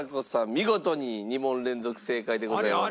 見事に２問連続正解でございます。